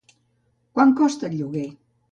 Quant costava el lloguer?